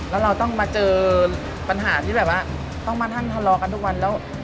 แล้วเราต้องมาเจอปัญหาที่แบบว่าต้องมาท่านทะเลาะกันทุกวันแล้ว